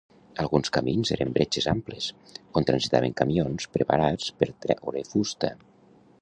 Alguns camins eren bretxes amples on transitaven camions preparats per traure fusta.